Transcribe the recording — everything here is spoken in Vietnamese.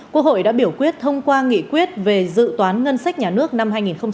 quốc hội đã biểu quyết thông qua nghị quyết về dự toán ngân sách nhà nước năm hai nghìn hai mươi